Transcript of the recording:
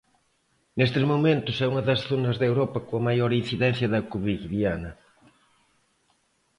Nestes momentos é unha das zonas de Europa coa maior incidencia da covid, Diana.